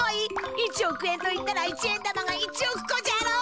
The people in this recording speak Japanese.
１おく円といったら一円玉が１おくこじゃろ？